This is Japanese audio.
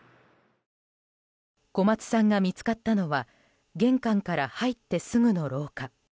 小松さんが見つかったのは玄関から入ってすぐの廊下。